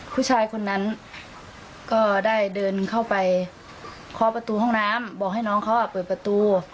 ผู้ชายคนนั้นก็ได้เดินเข้าไปเคาะประตูห้องน้ำบอกให้น้องเขาเปิดประตู